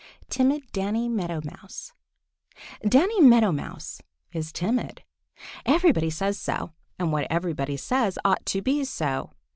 XX TIMID DANNY MEADOW MOUSE DANNY MEADOW MOUSE is timid. Everybody says so, and what everybody says ought to be so.